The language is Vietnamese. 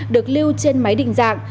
được lưu trên máy định dạng